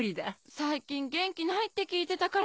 最近元気ないって聞いてたから。